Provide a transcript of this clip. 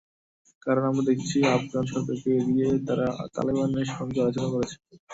কারণ, আমরা দেখেছি, আফগান সরকারকে এড়িয়ে তারা তালেবানের সঙ্গে আলোচনা করেছে।